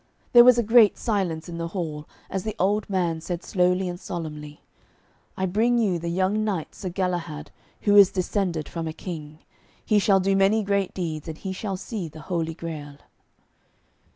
There was a great silence in the hall as the old man said slowly and solemnly, 'I bring you the young knight Sir Galahad, who is descended from a king. He shall do many great deeds, and he shall see the Holy Grail.'